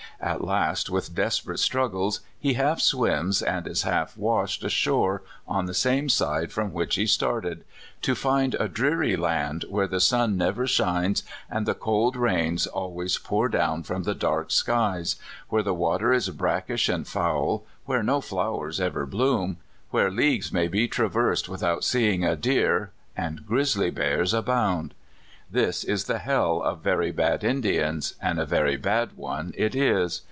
At last, with desperate struggles, he half swims and is half washed ashore on the same side from which he started, to find a dreary land where the sun never shines, and the cold rains always pour down from the dark skies, where the water is brackish and foul, where no flowers ever bloom, where leagues may be traversed without seeing a deer, and grizzly bears abound. This is the hell of very bad Indians, and a very bad one it is.